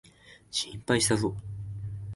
心配したぞ。